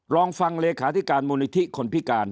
ลองฟังเลขาธิการมูลนิธิคนพิการ